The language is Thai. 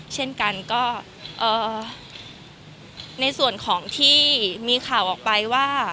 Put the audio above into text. เช่นกันก็ในส่วนของที่มีข่าวออกไปว่า